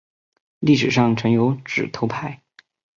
历史上曾有指头派。